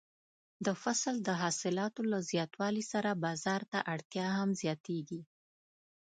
د فصل د حاصلاتو له زیاتوالي سره بازار ته اړتیا هم زیاتیږي.